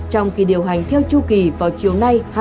trong kỳ điều hành theo chu kỳ vào chiều nay